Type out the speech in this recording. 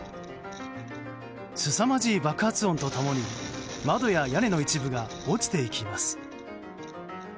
すさまじい爆発音と共に窓や屋根の一部が落ちていきます。